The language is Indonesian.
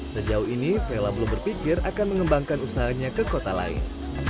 sejauh ini vela belum berpikir akan mengembangkan usahanya ke kota lain